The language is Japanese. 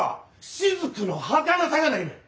滴のはかなさがないねん！